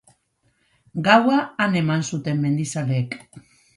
Gaua han eman zuten mendizaleek.